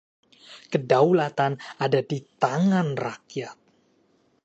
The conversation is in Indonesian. Kedaulatan ada di tangan rakyat.